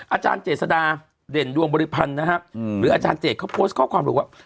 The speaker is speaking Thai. อาจารย์เจษดาเด่นดวงบริพันธ์นะครับหรืออาจารย์เจตเขาโพสต์ข้อความรู้ว่า